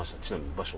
場所。